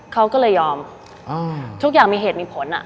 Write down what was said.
เขาก็เลยยอมทุกอย่างมีเหตุมีผล